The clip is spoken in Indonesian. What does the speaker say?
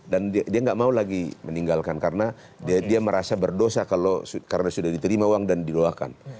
dan dia gak mau lagi meninggalkan karena dia merasa berdosa kalau karena sudah diterima uang dan di doakan